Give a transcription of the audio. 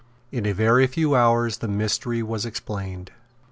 In a very few hours the mystery was explained.